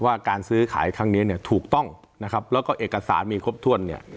ว่าการซื้อขายครั้งนี้เนี่ยถูกต้องนะครับแล้วก็เอกสารมีครบถ้วนเนี่ย